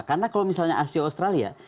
karena kalau misalnya asio australia